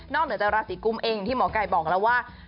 นอกเหนือจากราศิกรุมเองที่หมอไก่บอกแล้วว่า